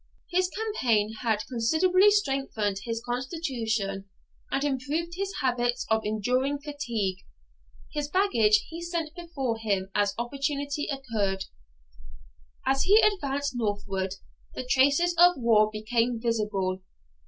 His campaign had considerably strengthened his constitution and improved his habits of enduring fatigue. His baggage he sent before him as opportunity occurred. As he advanced northward, the traces of war became visible.